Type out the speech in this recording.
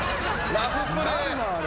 ラフプレー。